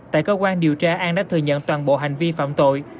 tại cơ quan điều tra an đã thừa nhận toàn bộ hành vi phạm tội